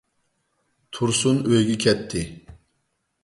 تۇرسۇن ئۆيىگە كەتتى.